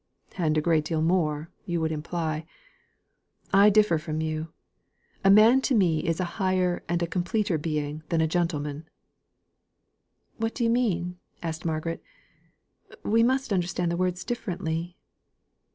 '" "And a great deal more, you would imply. I differ from you. A man is to me a higher and a completer being than a gentleman." "What do you mean?" asked Margaret. "We must understand the words differently."